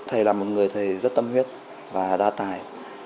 thầy là một người thầy rất tâm huyết và đa tài